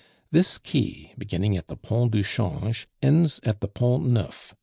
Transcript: This quay, beginning at the Pont du Change, ends at the Pont Neuf.